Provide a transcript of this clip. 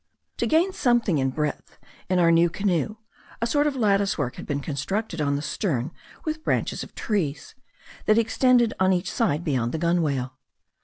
To gain something in breadth in our new canoe, a sort of lattice work had been constructed on the stern with branches of trees, that extended on each side beyond the gunwale.